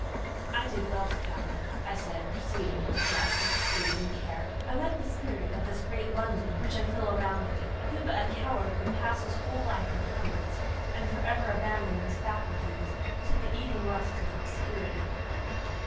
"I did well to come," I said, proceeding to dress with speed and care. "I like the spirit of this great London which I feel around me. Who but a coward would pass his whole life in hamlets; and for ever abandon his faculties to the eating rust of obscurity?"